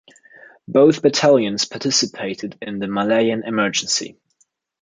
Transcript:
Both battalions participated in the Malayan Emergency.